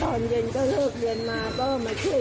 มาช่วยนั้นแต่เดี๋ยวก็ไปออกกำลังทายไปไหว้เนิม